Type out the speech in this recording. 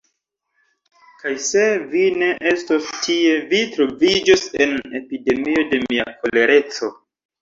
Kaj se vi ne estos tie, vi troviĝos en epidemio de mia kolereco.